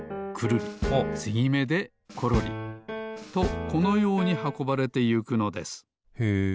つぎめでコロリ。とこのようにはこばれてゆくのですへえ。